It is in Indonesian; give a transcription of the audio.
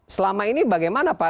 selama ini bagaimana pak